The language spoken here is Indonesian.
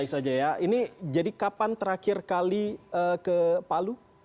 baik saja ya ini jadi kapan terakhir kali ke palu